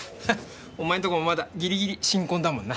お前んとこまだギリギリ新婚だもんな。